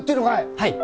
はい。